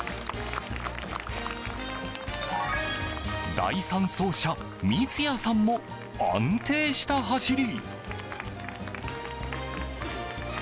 第３走者三ツ谷さんも安定した走り。